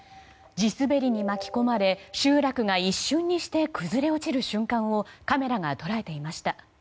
地滑りに巻き込まれ集落が一瞬にして崩れ落ちる瞬間をカメラが捉えていました。